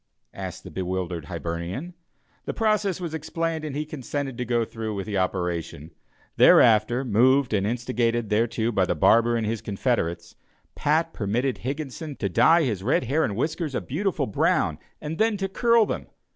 asked the bewildered Hibernian. The process was explained and he consented to go through with the operation. Thereafter, moved and instigated thereto by the barber and his confederates, Pat permitted Higginson to dye his red hair and whiskers a beautiful brown, and then to curl them.